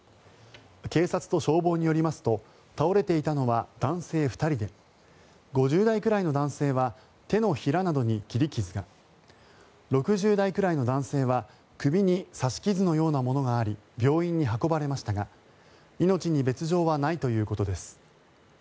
警察と消防によりますと倒れていたのは男性２人で５０代くらいの男性は手のひらなどに切り傷が６０代くらいの男性は首に刺し傷のようなものがあり病院に運ばれましたが命に別条はないということです。